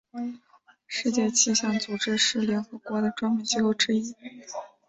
世界气象组织是联合国的专门机构之一。